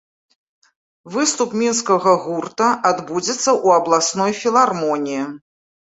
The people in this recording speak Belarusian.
Выступ мінскага гурта адбудзецца ў абласной філармоніі.